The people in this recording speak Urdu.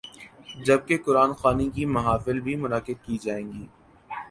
جب کہ قرآن خوانی کی محافل بھی منعقد کی جائیں گی۔